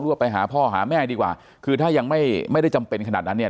ว่าไปหาพ่อหาแม่ดีกว่าคือถ้ายังไม่ไม่ได้จำเป็นขนาดนั้นเนี่ย